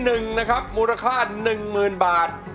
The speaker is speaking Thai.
และเพลงที่๑นะครับมูลค่า๑๐๐๐๐บาท